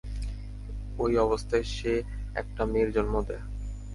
ওই অবস্থায় সে একটা মেয়ের জন্ম দেয়।